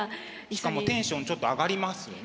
しかもテンションちょっと上がりますよね。